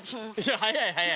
早い早い。